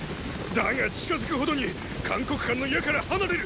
だが近づくほどに函谷関の矢から離れる。